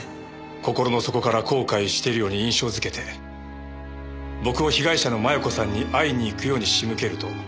心の底から後悔しているように印象づけて僕を被害者の摩耶子さんに会いに行くように仕向けると。